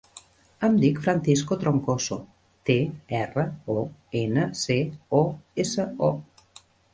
Em dic Francisco Troncoso: te, erra, o, ena, ce, o, essa, o.